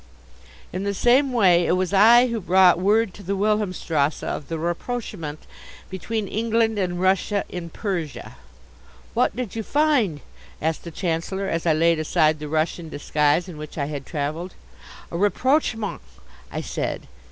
In the same way it was I who brought word to the Wilhelmstrasse of the rapprochement between England and Russia in Persia. "What did you find?" asked the Chancellor as I laid aside the Russian disguise in which I had travelled. "A Rapprochement!" I said.